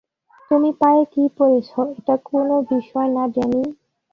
তুমি পায়ে কি পড়েছো এটা কোন বিষয় না, ড্যানি।